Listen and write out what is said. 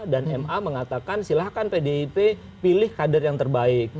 dan ma mengatakan silahkan pdip pilih kader yang terbaik